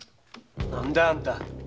何だいあんた！